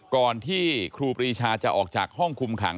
ก่อนที่ครูปรีชาจะออกจากห้องคุมขัง